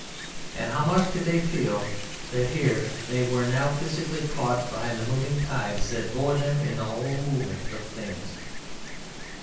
And how much did they feel that here they were now physically caught by the moving tides that bore them in the whole movement of things?